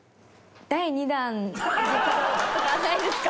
「第２弾エジプト」とかないですか？